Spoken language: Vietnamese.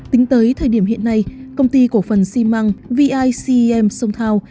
tính tới thời điểm hiện nay công ty cổ vần xi măng v icm sông thao